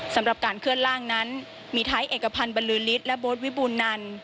สำหรับการเคลื่อนล่างนั้นมีไทยเอกพันธ์บรรลือฤทธิและโบ๊ทวิบูรณัน